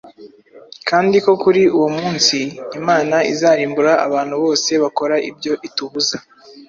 kandi ko kuri uwo munsi, imana izarimbura abantu bose bakora ibyo itubuza